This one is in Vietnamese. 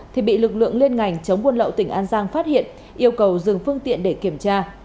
thì bị lực lượng liên ngành chống buôn lậu tỉnh an giang phát hiện yêu cầu dừng phương tiện để kiểm tra